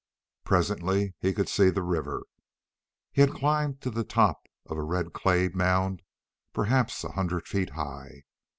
Presently he could see the river. He had climbed to the top of a red clay mound perhaps a hundred feet high.